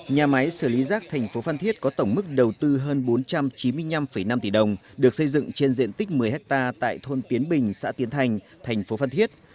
nhà máy xử lý rác thành phố phan thiết có tổng mức đầu tư hơn bốn trăm chín mươi năm năm tỷ đồng được xây dựng trên diện tích một mươi hectare tại thôn tiến bình xã tiến thành thành phố phan thiết